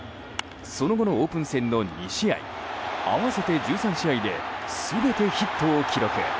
その後のオープン戦の２試合合わせて１３試合で全てヒットを記録。